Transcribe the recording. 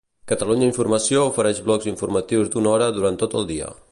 Catalunya Informació ofereix blocs informatius d'una hora durant tot el dia.